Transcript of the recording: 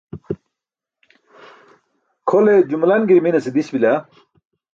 Kʰole jumlan girminase diś bila.